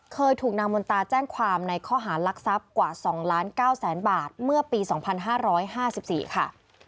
เคยถูกนางมนตาแจ้งความในข้อหารักทรัพย์กว่า๒ล้าน๙แสนบาทเมื่อปี๒๕๕๔ค่ะ